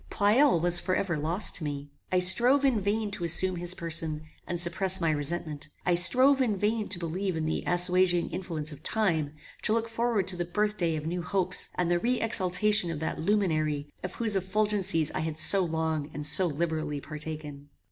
Pleyel was for ever lost to me. I strove in vain to assume his person, and suppress my resentment; I strove in vain to believe in the assuaging influence of time, to look forward to the birth day of new hopes, and the re exaltation of that luminary, of whose effulgencies I had so long and so liberally partaken.